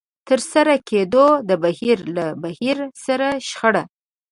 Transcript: د ترسره کېدو د بهير له بهير سره شخړه.